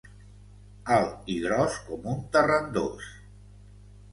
Alt i gros com un terrandòs